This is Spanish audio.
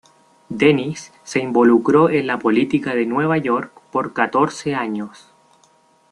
Denis se involucró en la política de Nueva York por catorce años.